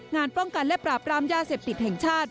งานป้องกันและปราบรามยาเสพติดแห่งชาติ